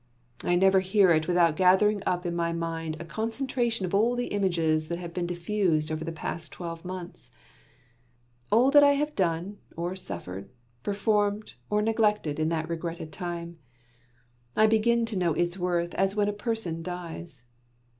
I never hear it without gathering up in my mind a concentration of all the images that have been diffused over the past twelve months; all that I have done or suffered, performed, or neglected, in that regretted time. I begin to know its worth as when a person dies.